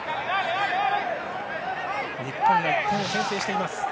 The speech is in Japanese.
日本が１点を先制しています。